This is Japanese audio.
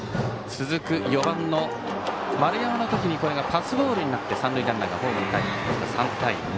続く４番の丸山の時にパスボールになって三塁ランナーがホームにかえり３対２。